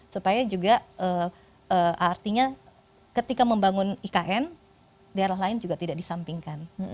supaya juga artinya ketika membangun ikn daerah lain juga tidak disampingkan